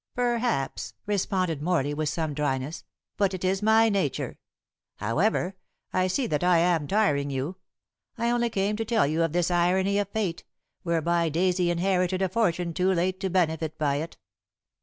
"Perhaps," responded Morley, with some dryness; "but it is my nature. However, I see that I am tiring you. I only came to tell you of this irony of fate, whereby Daisy inherited a fortune too late to benefit by it.